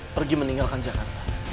pergi meninggalkan jakarta